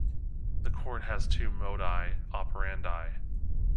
The court has two modi operandi.